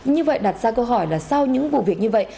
như vậy đặt ra câu hỏi là sau những vụ việc như vậy